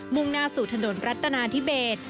่งหน้าสู่ถนนรัฐนาธิเบส